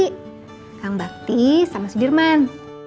kang bakti sama si dirman